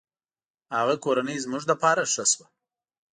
هغه کورنۍ زموږ له پاره ښه شوه.